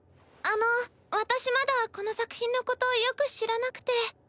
あの私まだこの作品のことよく知らなくて。